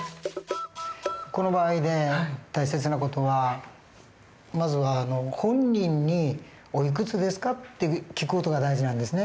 この場合で大切な事はまずは本人に「おいくつですか？」って聞く事が大事なんですね。